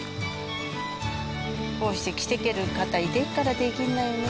こうして来てける方いてっからできんだよね。